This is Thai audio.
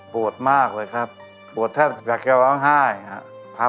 มากเลยครับปวดแทบอยากจะร้องไห้ครับ